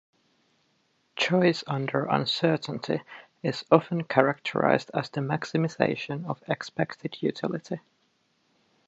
Choice under uncertainty is often characterized as the maximization of expected utility.